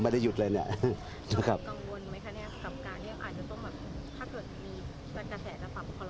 มันอาจจะต้องแบบถ้าเกิดมีสัตว์กระแสจะปรับข้อละม้อโดนปรับออก